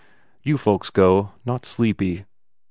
"You folks go. Not sleepy."